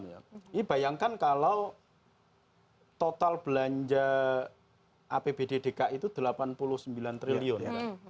ini bayangkan kalau total belanja apbd dki itu delapan puluh sembilan triliun